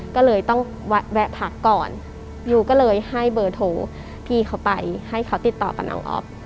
ก็เลยต้องแวะพักก่อนยูก็เลยให้เบอร์โทรพี่เขาไปให้เขาติดต่อกับน้องอ๊อฟ